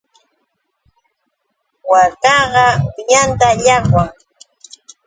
Waakaqa uñanta llaqwan.